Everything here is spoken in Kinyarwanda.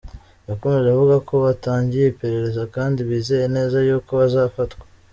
Yakomoje avuga ko batangiye iperereza kandi bizeye neza y’uko bazafatwa.